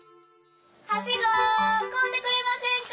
はしご買うてくれませんか？